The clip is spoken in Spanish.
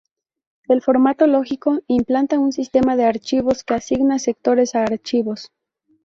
El formato lógico implanta un sistema de archivos que asigna sectores a archivos.